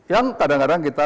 yang kadang kadang kita